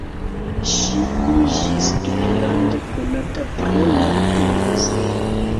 Ŝi iĝis tutlande konata pro la televizio.